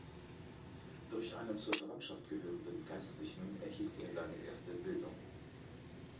Durch einen zur Verwandtschaft gehörenden Geistlichen erhielt er seine erste Bildung.